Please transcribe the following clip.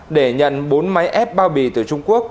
để nhận bốn máy ép bao bì từ trung quốc